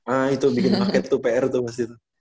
ah itu bikin market upr tuh maksudnya tuh